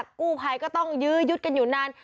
กู้ไภก็ต้องยืดกันอยู่นั่น